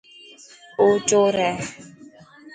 او چور هي.